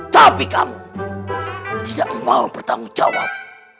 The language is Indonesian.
tapi kamu tidak mau bertanggung jawab